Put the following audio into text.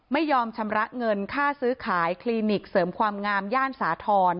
ไม่ยอมชำระเงินค่าซื้อขายคลินิกเสริมความงามย่านสาธรณ์